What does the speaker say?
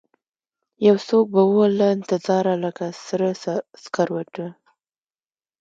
یوڅوک به ووله انتظاره لکه سره سکروټه